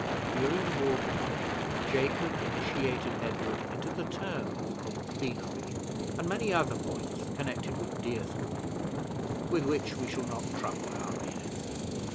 During the walk home, Jacob initiated Edward into the terms of venery and many other points connected with deer stalking, with which we shall not trouble our readers.